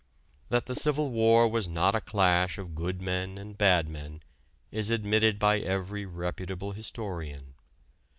That the Civil War was not a clash of good men and bad men is admitted by every reputable historian.